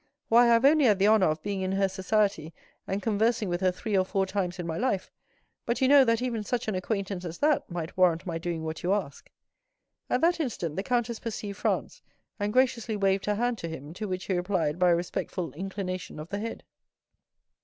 "Why, I have only had the honor of being in her society and conversing with her three or four times in my life; but you know that even such an acquaintance as that might warrant my doing what you ask." At that instant, the countess perceived Franz, and graciously waved her hand to him, to which he replied by a respectful inclination of the head.